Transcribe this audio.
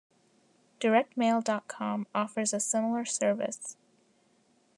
DirectMail dot com offers a similar service.